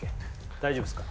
大丈夫ですか？